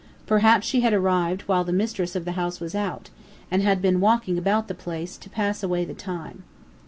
Perhaps she had arrived while the mistress of the house was out, and had been walking about the place, to pass away the time.